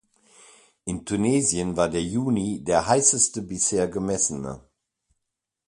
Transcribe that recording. In Tunesien war der Juni der heißeste bisher gemessene.